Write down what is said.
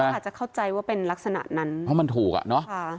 อาจจะเข้าใจว่าเป็นลักษณะนั้นเพราะมันถูกอ่ะเนาะ